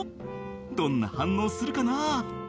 「どんな反応するかな？」